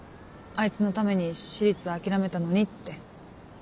あいつのために私立諦めたのにって。